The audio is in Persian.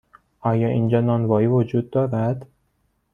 آیا اینجا نانوایی وجود دارد؟